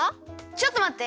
ちょっとまって！